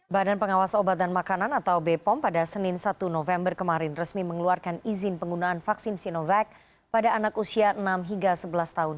badan pengawas obat dan makanan atau bepom pada senin satu november kemarin resmi mengeluarkan izin penggunaan vaksin sinovac pada anak usia enam hingga sebelas tahun